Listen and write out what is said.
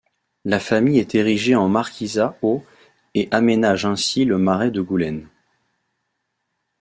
La famille est érigée en marquisat au et aménage ainsi le marais de Goulaine.